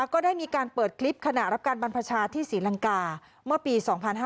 ก็ได้มีการเปิดคลิปขณะรับการบรรพชาที่ศรีลังกาเมื่อปี๒๕๕๙